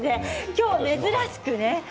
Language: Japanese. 今日は珍しくね。